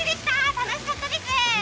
楽しかったです。